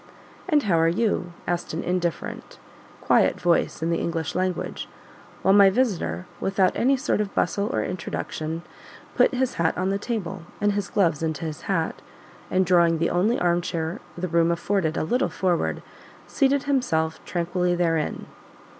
"And how are you?" asked an indifferent, quiet voice, in the English language; while my visitor, without any sort of bustle or introduction, put his hat on the table, and his gloves into his hat, and drawing the only armchair the room afforded a little forward, seated himself tranquilly therein.